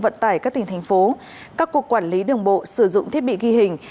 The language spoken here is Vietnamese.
vận tải các tỉnh thành phố các cục quản lý đường bộ sử dụng thiết bị ghi hình